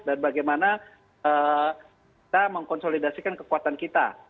dan bagaimana kita mengkonsolidasikan kekuatan kita